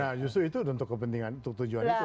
nah justru itu untuk kepentingan untuk tujuan itu